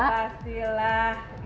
ya udah pastilah